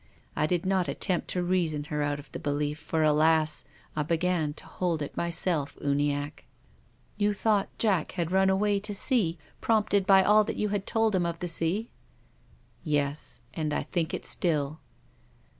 I did not attempt to reason her out of the belief, for alas ! I began to hold it myself, Uniacke." " You thought Jack had run away to sea, prompted by all that you had told him of the sea r "Yes. And I think it still."